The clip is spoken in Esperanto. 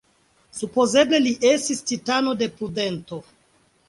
Supoze li estis Titano „de prudento“.